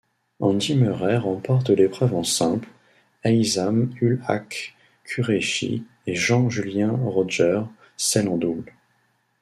Andy Murray remporte l'épreuve en simple, Aisam-Ul-Haq Qureshi et Jean-Julien Rojer celle en double.